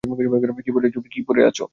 কী পরে আছো?